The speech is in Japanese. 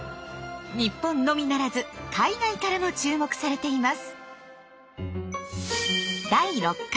日本のみならず海外からも注目されています。